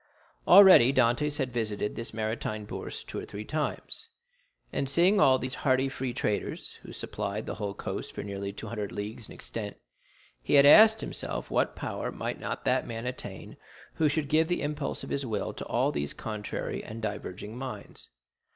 Already Dantès had visited this maritime Bourse two or three times, and seeing all these hardy free traders, who supplied the whole coast for nearly two hundred leagues in extent, he had asked himself what power might not that man attain who should give the impulse of his will to all these contrary and diverging minds.